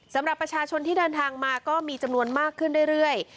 สำหรับประชาชนที่เดินทางมาก็มีจำนวนมากขึ้นเรื่อย